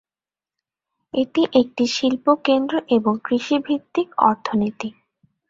এটি একটি শিল্প কেন্দ্র এবং কৃষি ভিত্তিক অর্থনীতি।